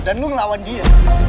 dan lo ngelawan dia